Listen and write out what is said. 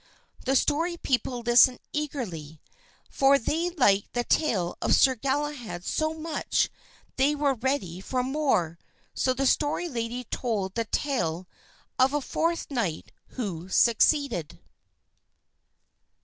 The Story People listened eagerly, for they liked the tale of Sir Galahad so much that they were ready for more; so the Story Lady told the tale of a fourth knight who succeeded.